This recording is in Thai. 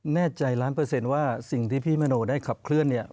แน่ใจล้านเปอร์เซ็นต์ว่าสิ่งที่พี่มโนได้ขับเคลื่อนเนี่ย